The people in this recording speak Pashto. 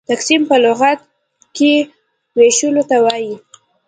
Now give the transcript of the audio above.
تقسيم په لغت کښي وېشلو ته وايي.